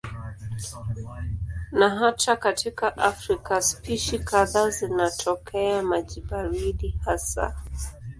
Na hata katika Afrika spishi kadhaa zinatokea maji baridi hasa.